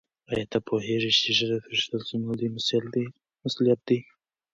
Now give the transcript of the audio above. آیا ته پوهېږې چې ږیره پرېښودل څومره لوی مسؤلیت دی؟